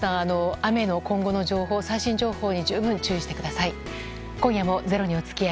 雨の今後の最新情報に十分注意してください。